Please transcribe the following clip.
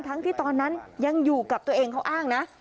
ที่ตอนนั้นยังอยู่กับตัวเองเขาอ้างนะ